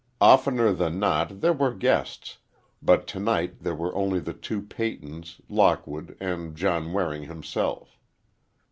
Oftener than not there were guests, but tonight there were only the two Peytons, Lockwood and John Waring himself.